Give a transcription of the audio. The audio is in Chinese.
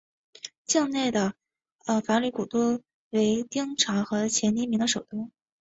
境内的华闾古都为丁朝和前黎朝的首都。